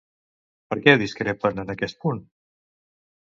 Per què discrepen en aquest punt?